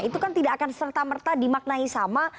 itu kan tidak akan serta merta dimaknai sama